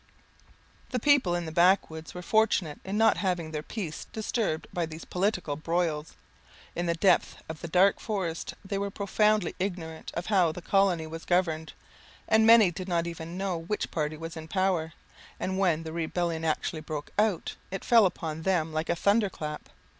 The people in the back woods were fortunate in not having their peace disturbed by these political broils. In the depths of the dark forest, they were profoundly ignorant of how the colony was governed; and many did not even know which party was in power, and when the rebellion actually broke out it fell upon them like a thunder clap.